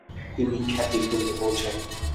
তিনি খ্যাতির তুঙ্গে পৌঁছেন।